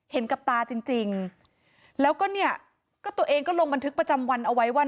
กับตาจริงแล้วก็เนี่ยก็ตัวเองก็ลงบันทึกประจำวันเอาไว้ว่า